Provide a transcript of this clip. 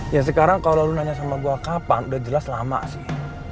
ya sekarang kalau lu nanya sama gue kapan udah jelas lama sih